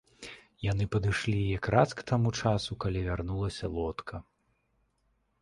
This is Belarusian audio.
Яны падышлі якраз к таму часу, калі вярнулася лодка.